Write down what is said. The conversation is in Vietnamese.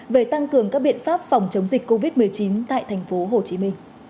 về tăng cường các biện pháp phòng chống dịch covid một mươi chín tại tp hcm